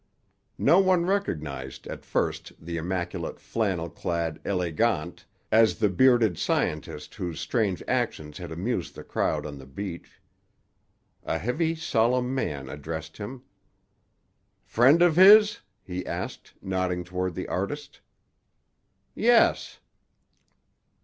No one recognized, at first, the immaculate flannel clad élégante as the bearded scientist whose strange actions had amused the crowd on the beach. A heavy solemn man addressed him: "Friend of his?" he asked, nodding toward the artist. "Yes."